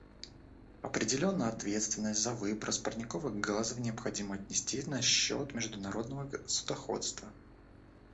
Определенную ответственность за выброс парниковых газов необходимо отнести на счет международного судоходства.